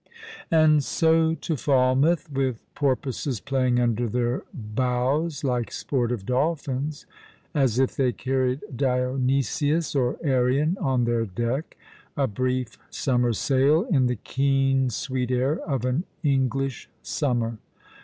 And so to Falmouth, with porpoises playing under their bows, like sportive dolphins, as if they carried Dionysius or Arion on their deck — a brief summer sail, in the keen sweet air of an English summer.